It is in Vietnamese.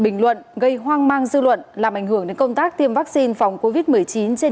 bình luận gây hoang mang dư luận làm ảnh hưởng đến công tác tiêm vaccine phòng covid một mươi chín trên